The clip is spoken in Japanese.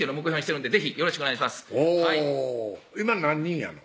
今何人やの？